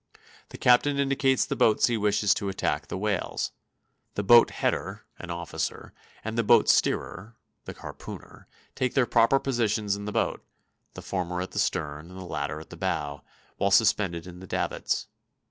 The captain indicates the boats he wishes to attack the whales; the boat header (an officer) and the boat steerer (the harpooner) take their proper positions in the boat, the former at the stern and the latter at the bow, while suspended in the davits.